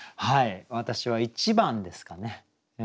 私は１番ですかね。